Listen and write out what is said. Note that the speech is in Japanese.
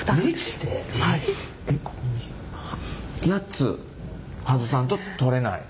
８つ外さんと取れない。